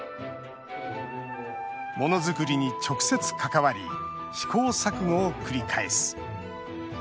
ものづくりに直接、関わり試行錯誤を繰り返す。